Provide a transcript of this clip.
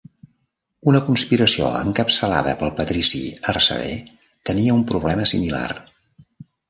Una conspiració encapçalada pel patrici Arsaber tenia un problema similar.